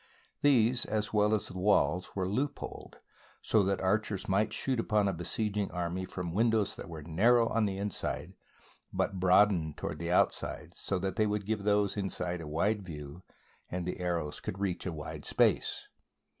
These, as well as the walls, were loopholed so that archers might shoot upon a besieging army from win dows that were narrow on the inside but broadened toward the outside so that they would give those inside a wide view and the arrows would reach a wide space.